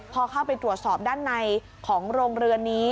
พอเข้าไปตรวจสอบด้านในของโรงเรือนนี้